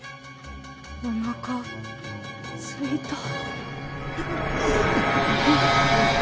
おなかすいた。